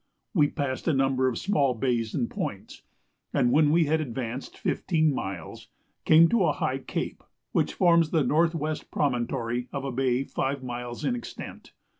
We passed a number of small bays and points, and when we had advanced fifteen miles, came to a high cape, which forms the N.W. promontory of a bay five miles in extent.